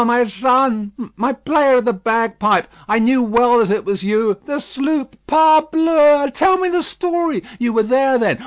my son; my player of the bagpipe! I knew well that it was you. The sloop, parbleu! Tell me the story. You went there, then.